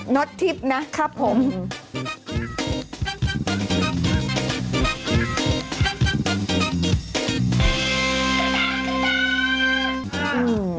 น็อตทิปนะครับผมอืมอืมอืม